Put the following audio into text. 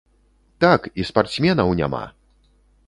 Так, і спартсменаў няма!